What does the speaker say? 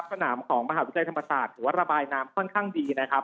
สนามของมหาวิทยาลัยธรรมศาสตร์ถือว่าระบายน้ำค่อนข้างดีนะครับ